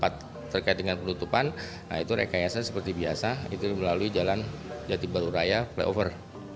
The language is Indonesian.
terkait dengan penutupan itu rekayasa seperti biasa itu melalui jalan jati baru raya flyover